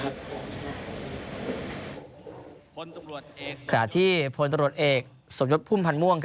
ขณะที่พลตำรวจเอกสมยศพุ่มพันธ์ม่วง